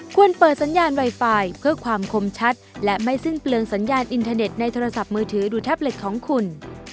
เปิดสัญญาณไวไฟเพื่อความคมชัดและไม่สิ้นเปลืองสัญญาณอินเทอร์เน็ตในโทรศัพท์มือถือดูแท็บเล็ตของคุณ